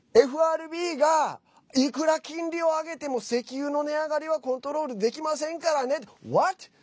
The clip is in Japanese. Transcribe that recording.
ＦＲＢが、いくら金利を上げても石油の値上がりはコントロールできませんからね。